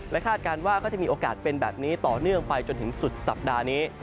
คาดการณ์ว่าก็จะมีโอกาสเป็นแบบนี้ต่อเนื่องไปจนถึงสุดสัปดาห์นี้